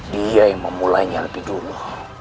dia yang memulainya lebih dulu